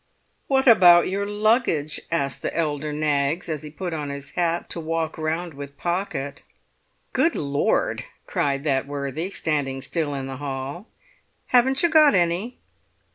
"What about your luggage?" asked the elder Knaggs, as he put on his hat to walk round with Pocket. "Good Lord!" cried that worthy, standing still in the hall. "Haven't you got any?"